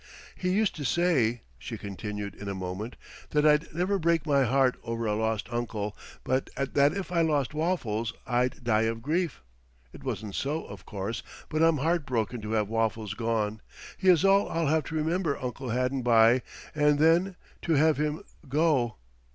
"He used to say," she continued in a moment, "that I'd never break my heart over a lost uncle, but that if I lost Waffles I'd die of grief. It wasn't so, of course. But I'm heart broken to have Waffles gone. He is all I'll have to remember Uncle Haddon by. And then to have him go!"